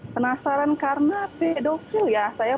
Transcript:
penasaran karena pedofil ya